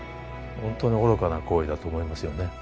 ほんとに愚かな行為だと思いますよね。